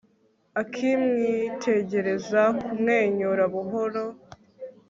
akimwitegereza, kumwenyura buhoro